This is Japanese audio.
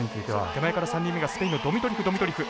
手前から３人目がスペインのドミトリフドミトリフ。